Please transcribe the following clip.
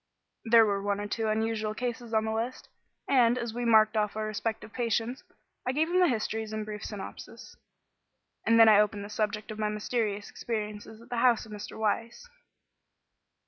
There were one or two unusual cases on the list, and, as we marked off our respective patients, I gave him the histories in brief synopsis. And then I opened the subject of my mysterious experiences at the house of Mr. Weiss.